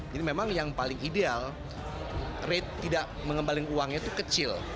jadi memang yang paling ideal rate tidak mengembalikan uangnya itu kecil